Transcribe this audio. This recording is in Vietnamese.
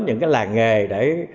những cái làng nghề để